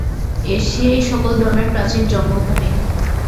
এশিয়াই সকল ধর্মের প্রাচীন জন্মভূমি।